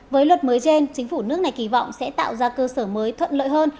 với luật mới trên chính phủ nước này kỳ vọng sẽ tạo ra cơ sở mới thuận lợi hơn